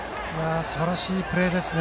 すばらしいプレーですね